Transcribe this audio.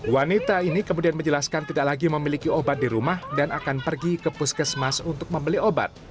wanita ini kemudian menjelaskan tidak lagi memiliki obat di rumah dan akan pergi ke puskesmas untuk membeli obat